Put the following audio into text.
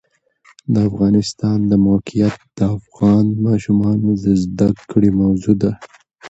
د افغانستان د موقعیت د افغان ماشومانو د زده کړې موضوع ده.